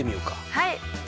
はい。